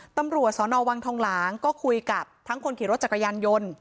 ตำรวจสนวังทองหลางก็คุยกับทั้งคนขี่รถจักรยานยนต์